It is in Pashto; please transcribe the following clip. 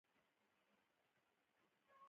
له طبیعت سره غوږ نیول سکون راولي.